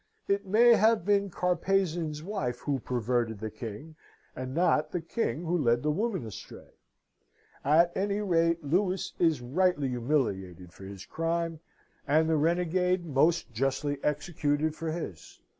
It may have been Carpezan's wife who perverted the King, and not the King who led the woman astray. At any rate, Louis is rightly humiliated for his crime, and the Renegade most justly executed for his.